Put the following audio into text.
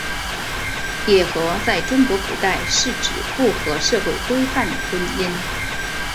野合在中国古代是指不合社会规范的婚姻。